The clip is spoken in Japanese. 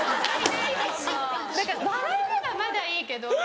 だから笑えればまだいいけど。